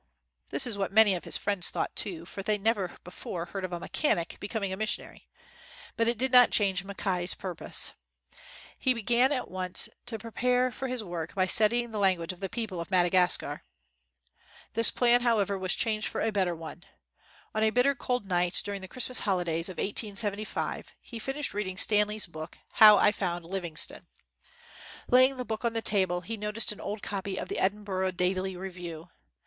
This is what many of his friends thought, too ; for they had never before heard of a mechanic becoming a mis sionary ; but it did not change Mackay 's pur pose. He began at once to prepare for his work by studying the language of the peo ple of Madagascar. This plan, however, was changed for a bet 28 AFTER THE NEWS WAS READ ter one. On a bitter cold night, during the Christmas holidays of 1875, he finished reading Stanley's book, Hoir I Found Liv ingstone. Laying the book on the table, he noticed an old copy of the Edinburgh Daily Review.